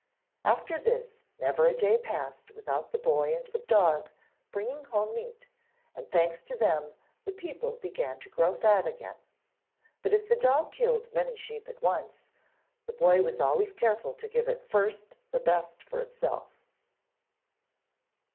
After this, never a day passed without the boy and the dog bringing home meat, and thanks to them the people began to grow fat again. But if the dog killed many sheep at once, the boy was always careful to give it first the best for itself.